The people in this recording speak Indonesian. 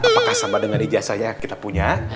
apakah sama dengan ijazahnya yang kita punya